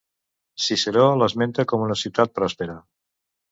Ciceró l'esmenta com una ciutat prospera.